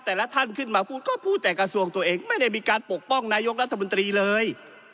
แต่ละท่านขึ้นมาพูดก็พูดแต่กระทรวงตัวเองไม่ได้มีการปกป้องนายกรัฐมนตรีเลย